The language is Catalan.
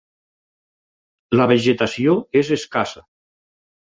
La vegetació és escassa.